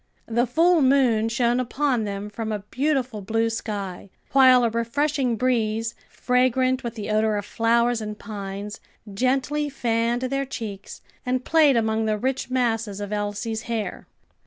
The full moon shone upon them from a beautiful blue sky, while a refreshing breeze, fragrant with the odor of flowers and pines, gently fanned their cheeks and played among the rich masses of Elsie's hair.